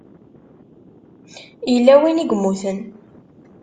Yella win i yemmuten.